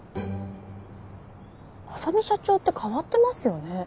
浅海社長って変わってますよね。